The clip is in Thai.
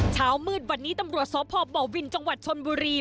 เช้ามืดวันนี้ตำรวจสพบวินจังหวัดชนบุรี